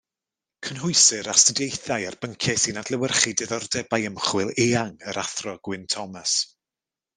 Cynhwysir astudiaethau ar bynciau sy'n adlewyrchu diddordebau ymchwil eang yr Athro Gwyn Thomas.